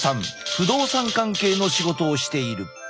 不動産関係の仕事をしている。